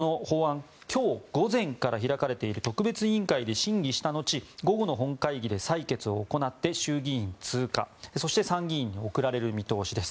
この法案今日午前から開かれている特別委員会で審議した後午後の本会議で採決を行って衆議院通過そして参議院に送られる見通しです。